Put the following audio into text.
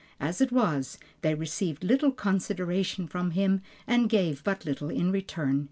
As it was, they received little consideration from him, and gave but little in return.